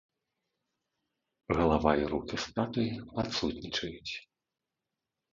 Галава і рукі статуі адсутнічаюць.